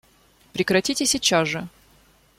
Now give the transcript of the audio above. Прекратите сейчас же!